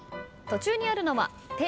途中にあるのは「て」